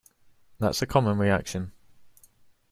That's a common reaction.